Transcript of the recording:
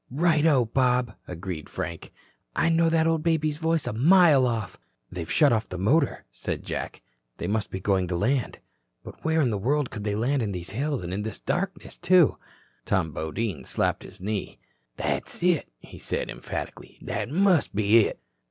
"Righto, Bob," agreed Frank. "I'd know the old baby's voice a mile off." "They've shut off the motor," said Jack. "They must be going to land. But where in the world could they land in these hills and in this darkness, too?" Tom Bodine slapped his knee. "That's it," he said emphatically. "That must be it."